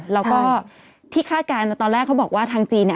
แล้วก็ที่คาดการณ์ตอนแรกเขาบอกว่าทางจีนเนี่ย